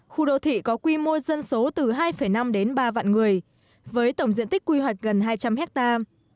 khu đô thị có quy mô dân số từ hai năm đến ba vạn người với tổng diện tích quy hoạch gần hai trăm linh hectare